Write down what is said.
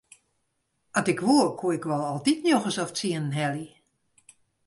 At ik woe koe ik wol altyd njoggens of tsienen helje.